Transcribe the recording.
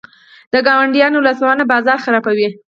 د ګاونډیو لاسوهنه بازار خرابوي.